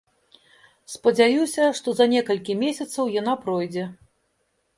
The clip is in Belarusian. Спадзяюся, што за некалькі месяцаў яна пройдзе.